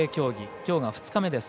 きょうが２日目です。